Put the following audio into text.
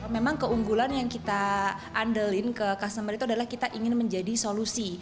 memang keunggulan yang kita andalin ke customer itu adalah kita ingin menjadi solusi